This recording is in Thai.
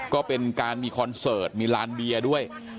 ก็เป็นการมีคอนเสิร์ตมีลานเบียร์ด้วย